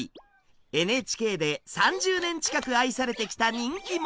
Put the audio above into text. ＮＨＫで３０年近く愛されてきた人気者です。